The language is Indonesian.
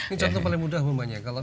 ini contoh paling mudah bapaknya kalau